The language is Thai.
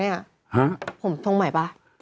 สำหรับผมต้องใหม่หรือเปล่า